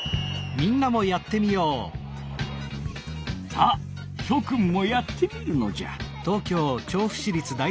さあしょくんもやってみるのじゃ！